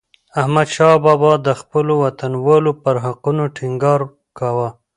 احمدشاه بابا د خپلو وطنوالو پر حقونو ټينګار کاوه.